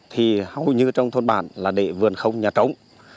thì hầu như trong thôn bản là để vườn không nhà trống